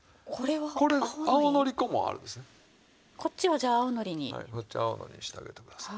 はいそっち青のりにしてあげてください。